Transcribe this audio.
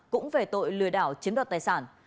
cũng về tội lừa đảo chiếm đặt tài sản